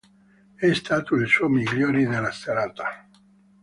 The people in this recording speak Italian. È stato il suo migliore della serata.